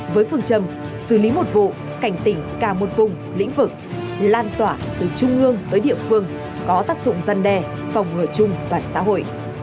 với phương châm xử lý một vụ cảnh tỉnh cả một vùng lĩnh vực lan tỏa từ trung ương tới địa phương có tác dụng dân đe phòng ngừa chung toàn xã hội